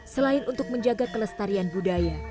selain untuk menjaga kelestarian budaya